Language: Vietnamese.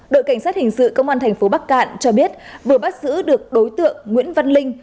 đội cảnh sát hình sự công an thành phố bắc cạn cho biết vừa bắt giữ được đối tượng nguyễn văn linh